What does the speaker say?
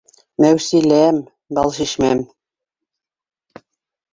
- Мәүсиләм, Балшишмәм